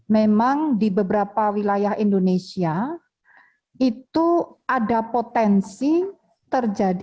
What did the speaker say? memang di beberapa wilayah indonesia itu ada potensi terjadi